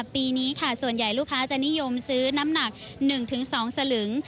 ปีนี้ค่ะส่วนใหญ่ลูกค้าจะนิยมซื้อน้ำหนัก๑๒สลึง